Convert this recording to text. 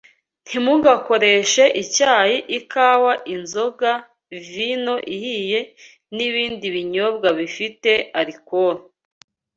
Ntimugakoreshe icyayi, ikawa, inzoga, vino ihiye, n’ibindi binyobwa bifite alikoro